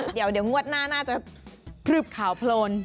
เดี๋ยวงวดหน้าน่าจะพลึบขาวโพลน